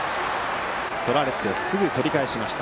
取られてすぐに取り返しました。